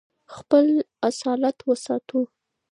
خپل اصالت وساتو.